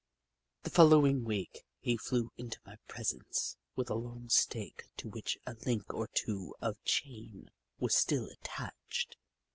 The following week he fiew into my presence with a long stake to which a link or two of chain was still attached.